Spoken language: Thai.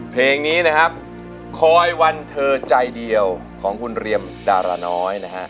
เพลงนี้นะครับคอยวันเธอใจเดียวของคุณเรียมดาราน้อยนะฮะ